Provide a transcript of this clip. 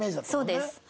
そうです。